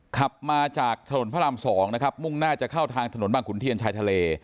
ขับมาจากถนนพระราม๒นะครับมุ่งหน้าจะเข้าทางถนนบางขุนเทียนชายทะเล